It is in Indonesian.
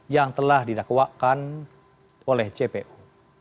yang telah didakwakan oleh jpu